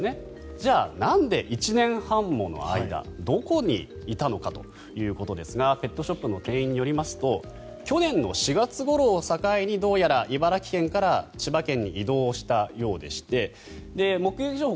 じゃあ、なんで１年半もの間どこにいたのかということですがペットショップの店員によりますと去年の４月ごろを境にどうやら茨城県から千葉県に移動をしたようでして目撃情報